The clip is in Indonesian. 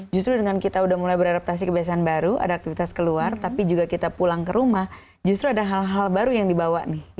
justru dengan kita udah mulai beradaptasi kebiasaan baru ada aktivitas keluar tapi juga kita pulang ke rumah justru ada hal hal baru yang dibawa nih